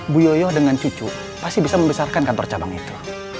bu yoyo dengan cucu pasti bisa membesarkan kantor cabang itu